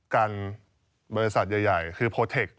กันบริษัทใหญ่คือโพเทค